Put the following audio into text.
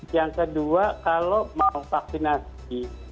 yang kedua kalau mau vaksinasi